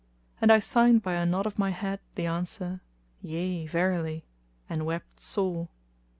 and I signed by a nod of my head the answer, "Yea, verily;" and wept sore.